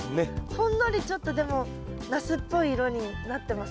ほんのりちょっとでもナスっぽい色になってません？